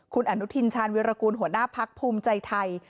คุณอนุทินชาญวิรากูลหัวหน้าพักภูมิใจไทย